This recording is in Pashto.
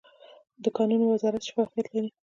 د کانونو وزارت شفافیت لري؟